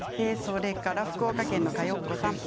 福岡県の方です。